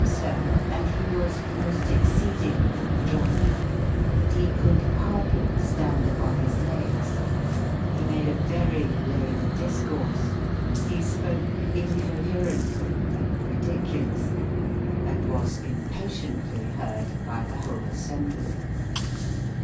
Sir, and he ioas most exceedingly drunk ; he could hardly stand upon his legs ; he made a very lame discourse ; he spoke incoherently and ridiculously ; and was impa tiently heard by the whole assembly."